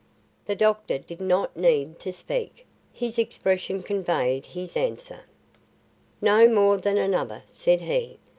The doctor did not need to speak; his expression conveyed his answer. "No more than another," said he.